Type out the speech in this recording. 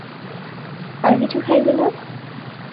আর কিছু খাইবে না?